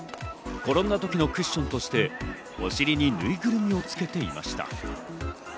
転んだ時のクッションとしてお尻にぬいぐるみをつけていました。